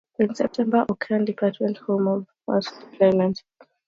In September, "O'Kane" departed homeport for a western Pacific deployment.